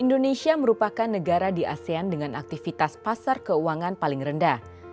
indonesia merupakan negara di asean dengan aktivitas pasar keuangan paling rendah